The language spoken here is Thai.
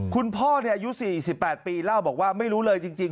คุณพ่ออายุ๔๘ปีเล่าบอกว่าไม่รู้เลยจริง